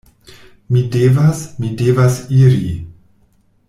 Mi devas, mi devas iri!